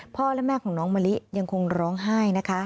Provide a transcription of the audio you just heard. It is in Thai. พ่อและแม่ของน้องมะลิยังคงร้องไห้นะคะ